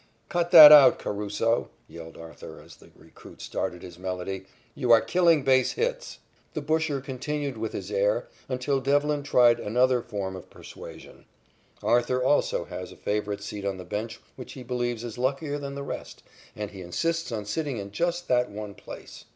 "Cut that out, Caruso," yelled Arthur, as the recruit started his melody. "You are killing base hits." The busher continued with his air until Devlin tried another form of persuasion. Arthur also has a favorite seat on the bench which he believes is luckier than the rest, and he insists on sitting in just that one place.